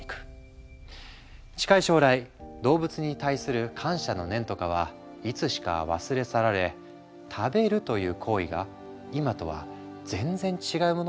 近い将来動物に対する感謝の念とかはいつしか忘れ去られ食べるという行為が今とは全然違うものになるのかもしれないね。